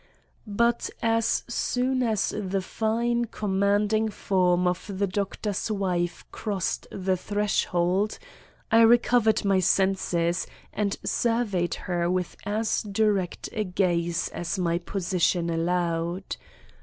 But as soon as the fine commanding form of the Doctor's wife crossed the threshold, I recovered my senses and surveyed her with as direct a gaze as my position allowed.